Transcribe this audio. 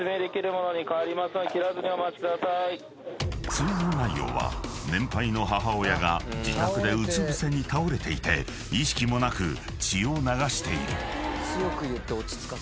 ［通報内容は年配の母親が自宅でうつぶせに倒れていて意識もなく血を流している］